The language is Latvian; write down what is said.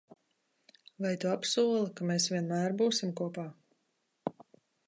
Vai tu apsoli, ka mēs vienmēr būsim kopā?